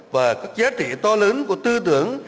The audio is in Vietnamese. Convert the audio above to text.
và các giá trị to lớn của tư tưởng